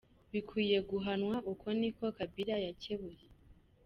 bikwiye guhanwa", uko ni ko Kabila yakebuye.